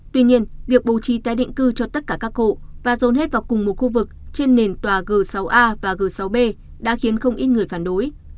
tuy nhiên việc bố trí tái định cư cho tất cả các cụ và dồn hết vào cùng một khu vực trên nền tòa g sáu a và g sáu b đã khiến không ít người phản đối